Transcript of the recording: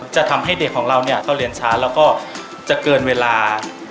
จะทำให้เด็กของเราเนี่ยก็เรียนช้าแล้วก็จะเกินเวลา